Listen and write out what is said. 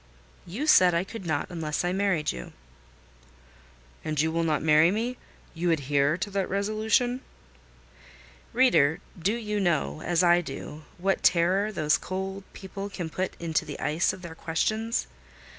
"You said I could not unless I married you." "And you will not marry me! You adhere to that resolution?" Reader, do you know, as I do, what terror those cold people can put into the ice of their questions?